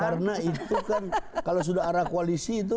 karena itu kan kalau sudah arah koalisi itu